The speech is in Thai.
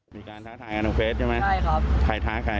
ท้าทายกันตรงเฟสใช่ไหมใช่ครับใครท้าใคร